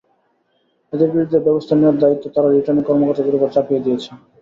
এঁদের বিরুদ্ধে ব্যবস্থা নেওয়ার দায়িত্ব তারা রিটার্নিং কর্মকর্তাদের ওপর চাপিয়ে দিয়েছে।